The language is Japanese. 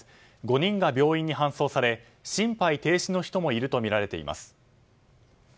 ５人が病院に搬送され心肺停止の人もいるとみられています。